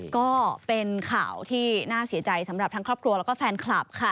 ก็เป็นข่าวที่น่าเสียใจสำหรับทั้งครอบครัวแล้วก็แฟนคลับค่ะ